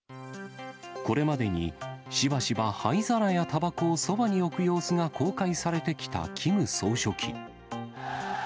これまでに、しばしば灰皿やたばこをそばに置く様子が公開されてきたキム総書記。